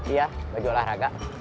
iya baju olahraga